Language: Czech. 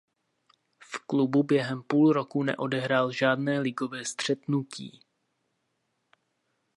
V klubu během půl roku neodehrál žádné ligové střetnutí.